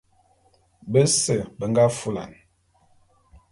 Bese be nga fulan.